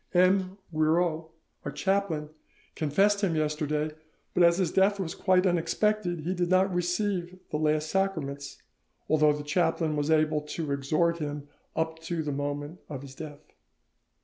M. Guiraut, our chaplain, confessed him yesterday, but as his death was quite unexpected he did not receive the last sacraments, although the chaplain was able to exhort him up to the moment of his death.